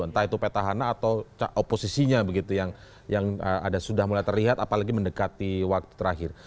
entah itu petahana atau oposisinya begitu yang sudah mulai terlihat apalagi mendekati waktu terakhir